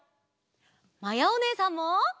まやおねえさんも！